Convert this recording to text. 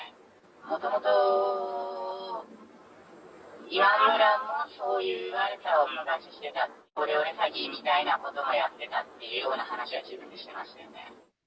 もともと、今村も、そういう悪さを昔してた、オレオレ詐欺みたいなことをやってたっていうような話は、自分でしてましたよね。